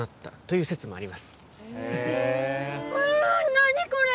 何これ！？